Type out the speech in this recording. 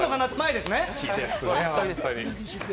好きですね、本当に。